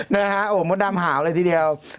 นะครับผมโอ๊ยมดดำหาวเลยทีเดียว